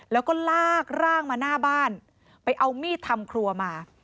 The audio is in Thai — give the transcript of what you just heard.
แล้วก็ลากร่างมาหน้าบ้านไปเอามีดทำครัวมา